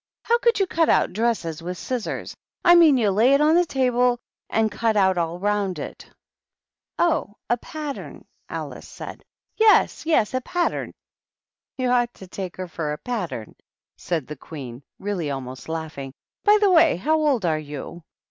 how could you cut out dresses with scissors? I mean you lay it on the table and cut out all round it." Oh, a pattem,^^ Alice said. Yes, yes, — a pattern I You ought to take her for a pattern," said the Queen, really almost laughing. "By the way, how old are you?"